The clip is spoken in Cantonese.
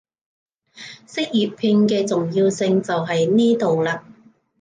識粵拼嘅重要性就喺呢度喇